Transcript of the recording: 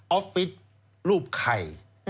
อฟฟิศรูปไข่